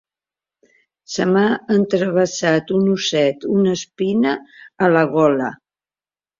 Se m'ha entravessat un osset, una espina, a la gola.